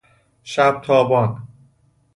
شبتابان